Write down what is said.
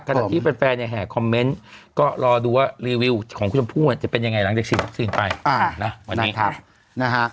กระดาษที่เป็นแฟนอย่าแห่คอมเมนต์ก็รอดูว่ารีวิวของชมพู่จะเป็นยังไงหลังจากฉีดซึ่งไปนะวันนี้